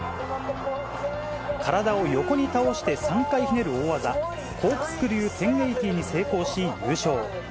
体を横に倒して３回ひねる大技、コークスクリュー１０８０に成功し優勝。